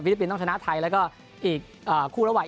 ฟิลิปปินต้องชนะไทยแล้วก็อีกคู่ระหว่าย